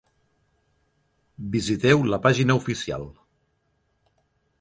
Visiteu la pàgina oficial.